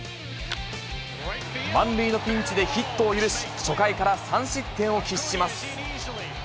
満塁のピンチでヒットを許し、初回から３失点を喫します。